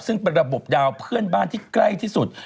ซึ่งเป็นระบบดาวเพื่อนบ้านที่ใกล้ที่สุด